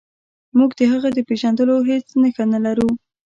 موږ د هغه د پیژندلو هیڅ نښه نلرو.